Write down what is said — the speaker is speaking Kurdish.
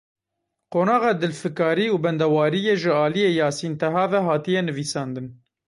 Qonaxa dilfikarî û bendewariyê ji aliyê Yasîn Teha ve hatiye nivîsandin.